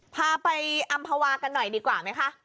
พาไปอำภาวากันหน่อยดีกว่าไหมคะ